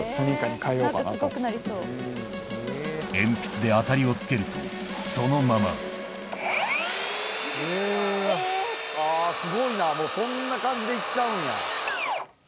鉛筆で当たりを付けるとそのままあぁすごいなもうそんな感じで行っちゃうんや。